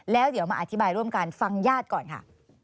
แล้วเดี๋ยวมาอธิบายร่วมกันฟังญาติก่อนค่ะ